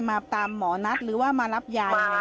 มาตามหมอนัดหรือว่ามารับยายังไงคะ